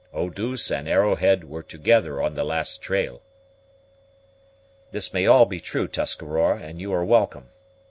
Eau douce and Arrowhead were together on the last trail." "This may all be true, Tuscarora, and you are welcome.